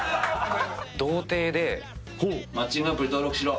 マッチングアプリ登録しろ。